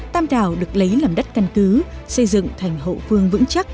tàm đào được lấy làm đất căn cứ xây dựng thành hậu phường vững chắc